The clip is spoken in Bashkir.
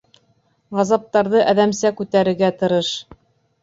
Ғазаптарҙы әҙәмсә күтәрергә тырыш.